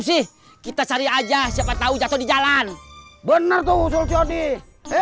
sih kita cari aja siapa tahu jatuh di jalan bener tuh usul nih